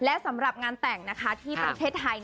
และสำหรับงานแต่งที่ไทย